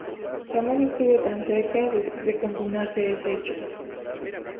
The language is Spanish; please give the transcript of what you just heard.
Jamás estuvo tan cerca de consumarse ese hecho.